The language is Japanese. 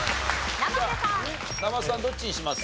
生瀬さんどっちにします？